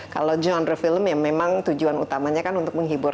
kalau genre film ya memang tujuan utamanya kan untuk menghibur